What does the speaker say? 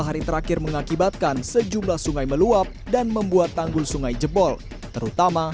hari terakhir mengakibatkan sejumlah sungai meluap dan membuat tanggul sungai jebol terutama